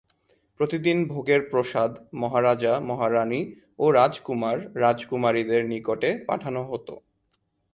প্রতিদিনের ভোগের প্রসাদ মহারাজা-মহারানি ও রাজকুমার-রাজকুমারীদের নিকটে পাঠানো হত।